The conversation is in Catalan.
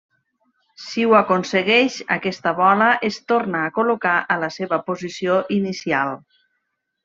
Si ho aconsegueix, aquesta bola es torna a col·locar a la seva posició inicial.